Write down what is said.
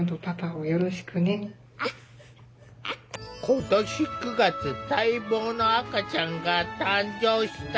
今年９月待望の赤ちゃんが誕生した！